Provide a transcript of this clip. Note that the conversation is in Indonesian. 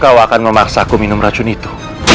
kau akan memaksaku minum racun itu